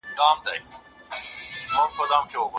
جهاني قول مي کړی تر لحده درسره یم